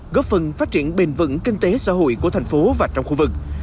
góp phần phát triển bền vững kinh tế xã hội của thành phố và trong khu vực